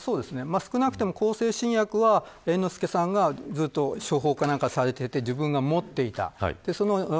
少なくとも向精神薬は猿之助さんが処方されていて自分が持っていた。